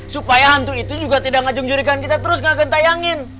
supaya hantu itu juga tidak ngajung jurikan kita terus ngegentayangin